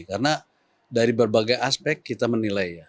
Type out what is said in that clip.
karena dari berbagai aspek kita menilai ya